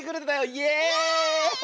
イエーイ！